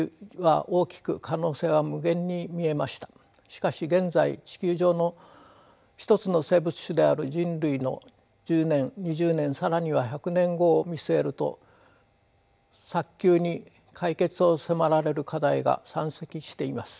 しかし現在地球上の一つの生物種である人類の１０年２０年更には１００年後を見据えると早急に解決を迫られる課題が山積しています。